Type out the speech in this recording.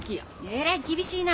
えらい厳しいな。